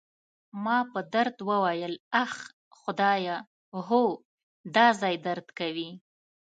ما په درد وویل: اخ، خدایه، هو، دا ځای درد کوي.